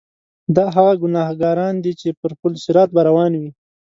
دا هغه ګناګاران دي چې پر پل صراط به روان وي.